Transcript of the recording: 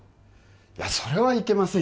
いやそれはいけません